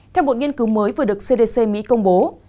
theo một nghiên cứu mới vừa được cdc mỹ công bố